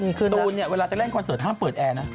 คือตูนเนี่ยเวลาจะเล่นคอนเสิร์ตห้ามเปิดแอร์นะ